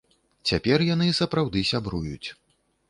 Цяпер яны сапраўды сябруюць.